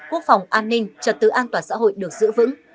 quốc phòng an ninh trật tự an toàn xã hội được giữ vững